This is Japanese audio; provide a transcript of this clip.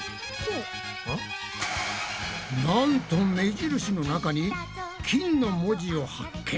なんと目印の中に「筋」の文字を発見！